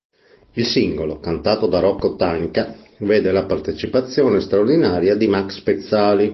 Il singolo, cantato da Rocco Tanica, vede la partecipazione straordinaria di Max Pezzali.